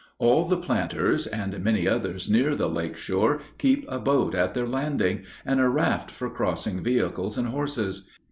All the planters and many others near the lake shore keep a boat at their landing, and a raft for crossing vehicles and horses.